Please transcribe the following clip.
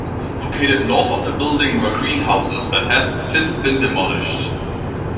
Located north of the building were greenhouses that have since been demolished.